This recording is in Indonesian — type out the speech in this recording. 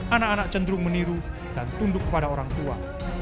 anak anak cenderung meniru dan tunduk kepada orang tua